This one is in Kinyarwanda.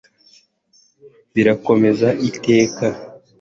Birakomeza iteka